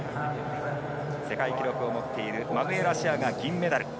世界記録を持っているマヌエラ・シェアが銀メダル。